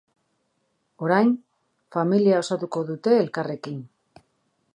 Orain, familia osatuko dute elkarrekin.